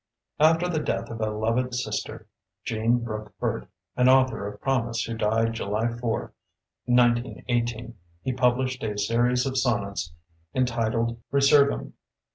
After the death of a loved sister, Jean Brooke Burt, an author of promise who died July 4, 1918, he published a series of sonnets entitled "Resurgam".